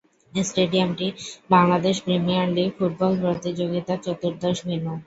স্টেডিয়ামটি Bangladesh premier league football প্রতিযোগীতার চতুর্দশ venue.